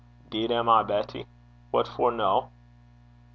''Deed am I, Betty. What for no?'